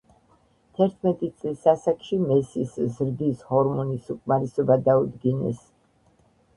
თერთმეტი წლის ასაკში მესის ზრდის ჰორმონის უკმარისობა დაუდგინეს.